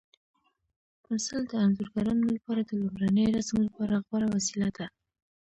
پنسل د انځورګرانو لپاره د لومړني رسم لپاره غوره وسیله ده.